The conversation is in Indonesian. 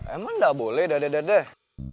emang gak boleh dadah dadah